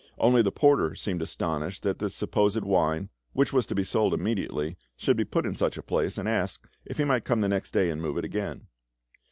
Only the porter seemed astonished that this supposed wine, which was to be sold immediately, should be put in such a place, and asked if he might come the next day and move it again.